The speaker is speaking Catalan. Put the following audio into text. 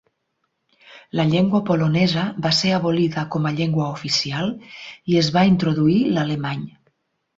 La llengua polonesa va ser abolida com a llengua oficial i es va introduir l'alemany.